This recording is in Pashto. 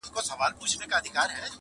باد د غوجلې شاوخوا ګرځي او غلی غږ لري,